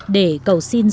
để cầu xin sơ